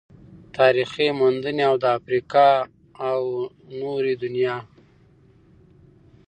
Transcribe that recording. تاريخي موندنې او د افريقا او نورې دنيا